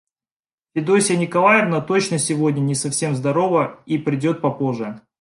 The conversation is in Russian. Федосья Николаевна точно сегодня не совсем здорова и придет попозже.